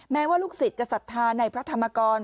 แม้ว่าลูกศิษย์จะศรัทธาในพระธรรมกร